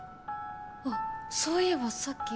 あそういえばさっき。